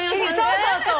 そうそうそう。